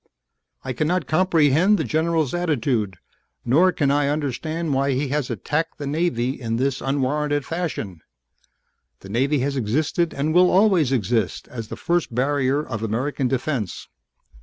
"I cannot comprehend the general's attitude, nor can I understand why he has attacked the Navy in this unwarranted fashion. The Navy has existed and will always exist as the first barrier of American defense.